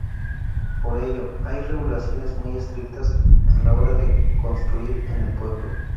Por ello, hay regulaciones muy estrictas a la hora de construir en el pueblo.